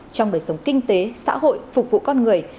trong đời sống kinh tế xã hội phục vụ con người